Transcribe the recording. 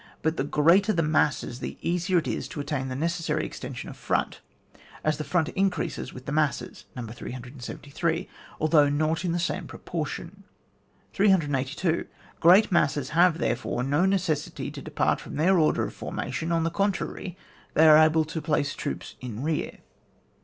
But the greater the masses the easier it is to attain the necessary exten sion of front, as the front increases with the masses (No. 373), although not in the same proportion, 382. Qreat masses have, therefore, no necessity to depart from their order of formation, on the contrary, they are able to place troops in rear.